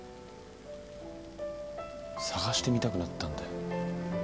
探してみたくなったんだよ。